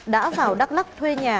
đã vào đắk lắc thuê nhà